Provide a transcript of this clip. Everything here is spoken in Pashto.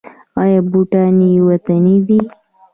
آیا بوټان یې وطني دي؟